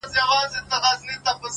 وخت د ژمنتیا رښتینولی ازموي،